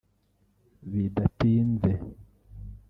Bidatinze